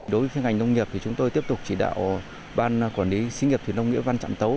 đối với phương hành nông nghiệp thì chúng tôi tiếp tục chỉ đạo ban quản lý sĩ nghiệp thuyền nông nghĩa văn trạm tấu